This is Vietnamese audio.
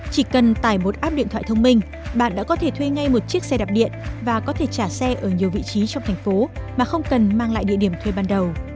chỉ cần tải một app điện thoại thông minh bạn đã có thể thuê ngay một chiếc xe đạp điện và có thể trả xe ở nhiều vị trí trong thành phố mà không cần mang lại địa điểm thuê ban đầu